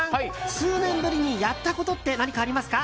数年ぶりにやったことって何かありますか？